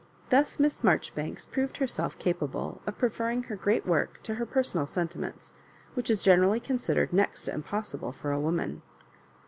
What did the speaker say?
Thus Miss Marjoribanks proved herself capable of preferring her great work to her personal sentiments, which is ge nerally considered next to impossible for a wo man.